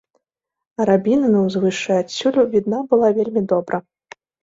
Арабіна на ўзвышшы адсюль відна была вельмі добра.